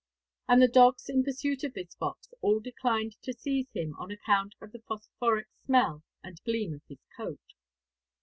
And the dogs in pursuit of this fox all declined to seize him, on account of the phosphoric smell and gleam of his coat.